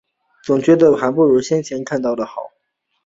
总觉得还不如先前看到的好